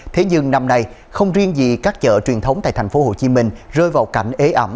thế nhưng năm nay không riêng gì các chợ truyền thống tại tp hcm rơi vào cảnh ế ẩm